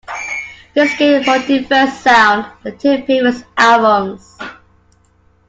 This gave a more diverse sound than the two previous albums.